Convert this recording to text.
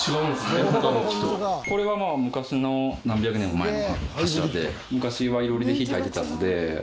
これはまあ昔の何百年も前の柱で昔は囲炉裏で火焚いてたので黒くなってる。